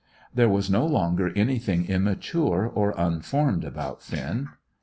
There was no longer anything immature or unformed about Finn.